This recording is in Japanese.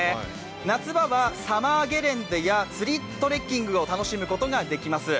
夏場はサマーゲレンデやツリートレッキングを楽しむことができます。